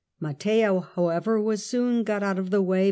Matteo, however, was soon got out of the way by his N.